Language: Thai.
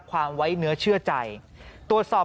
ปี๖๕วันเกิดปี๖๔ไปร่วมงานเช่นเดียวกัน